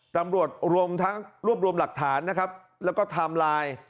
ตำรวจร่วมร่วมลักฐานแล้วก็ทามไลน์